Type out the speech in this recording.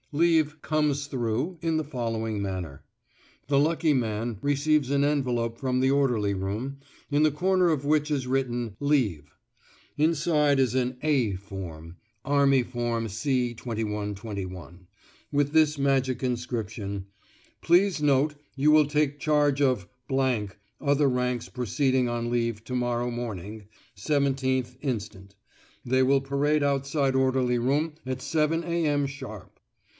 Leave "comes through" in the following manner. The lucky man receives an envelope from the orderly room, in the corner of which is written "Leave." Inside is an "A" Form (Army Form C 2121) with this magic inscription: "Please note you will take charge of other ranks proceeding on leave to morrow morning, 17th inst. They will parade outside orderly room at 7.0 a.m. sharp."